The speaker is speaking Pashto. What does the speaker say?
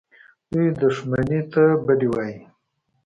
دوى دښمني ته بدي وايي.